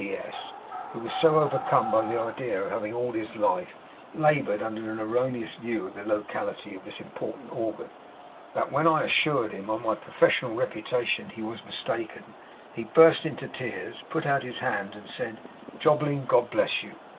C.S.," who was so overcome by the idea of having all his life laboured under an erroneous view of the locality of this important organ, that when I assured him on my professional reputation, he was mistaken, he burst into tears, put out his hand, and said, "Jobling, God bless you!"